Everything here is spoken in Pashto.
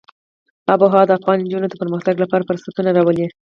آب وهوا د افغان نجونو د پرمختګ لپاره فرصتونه راولي.